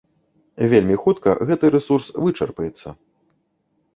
Вельмі хутка гэты рэсурс вычарпаецца.